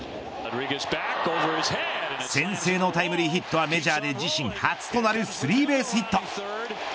先制のタイムリーヒットはメジャーで自身初となるスリーベースヒット。